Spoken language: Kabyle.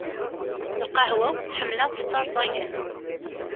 Lqahwa-w, ḥemmleɣ-tt d tarẓagant.